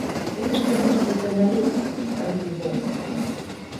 Гэта ж ты будзеш да налецця тут арганізоўвацца.